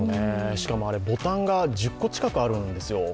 しかもボタンが１０個近くあるんですよ。